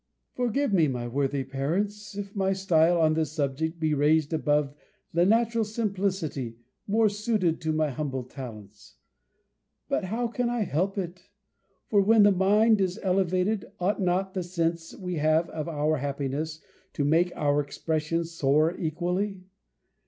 Forgive me, my worthy parents, if my style on this subject be raised above the natural simplicity, more suited to my humble talents. But how can I help it! For when the mind is elevated, ought not the sense we have of our happiness to make our expressions soar equally?